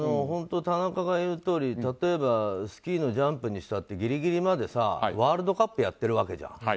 本当に田中が言うとおり例えばスキーのジャンプにしたってギリギリまでワールドカップをやってるわけじゃん。